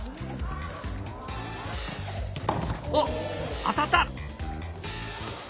おっ当たった！